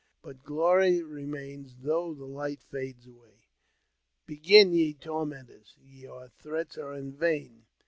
But glory remains though the light fades away ; Begin ye tormentors, your threats are in vain.